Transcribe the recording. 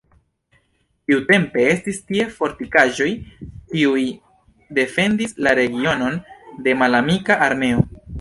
Tiutempe estis tie fortikaĵoj, kiuj defendis la regionon de malamika armeo.